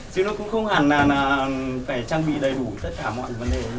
chứ nó cũng không hẳn là phải trang bị đầy đủ tất cả mọi vấn đề